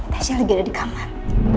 tesnya lagi ada di kamar